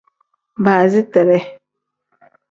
Baasiteree.